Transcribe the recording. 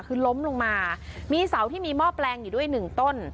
คือล้มลงมามีเสาที่มีหม้อแปลงอยู่ด้วยหนึ่งต้น